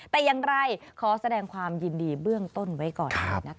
แต่อย่างไรขอแสดงความยินดีเบื้องต้นไว้ก่อน